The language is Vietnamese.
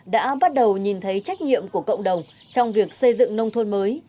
đã bắt đầu nhìn thấy trách nhiệm của cộng đồng trong việc xây dựng nông thôn mới